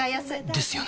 ですよね